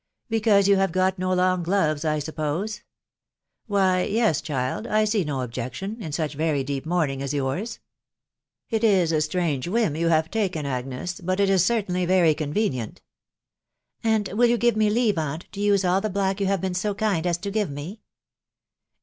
" Because you have got no long gloves, I suppose ? Why yes, child, I see no objection, in such very deep mourning as yours. It is a strange whim you have taken, Agnes ; but it is certainly very convenient." " And will you give me leave, aunt, to use all the black you have been so kind as to give me